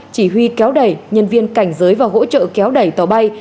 chỉ huy kéo đẩy nhân viên cảnh giới và hỗ trợ kéo đẩy tàu bay